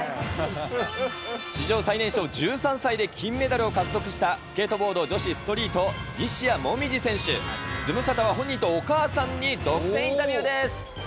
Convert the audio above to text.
史上最年少１３歳で金メダルを獲得した、スケートボード女子ストリート、西矢椛選手、ズムサタは本人とお母さんに独占インタビューです。